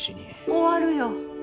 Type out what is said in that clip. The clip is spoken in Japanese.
終わるよ。